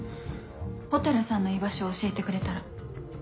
蛍さんの居場所を教えてくれたら。